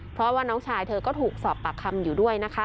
เพราะว่าน้องชายเธอก็ถูกสอบปากคำอยู่ด้วยนะคะ